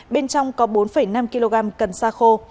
bên trong có bốn năm kg cần xa khô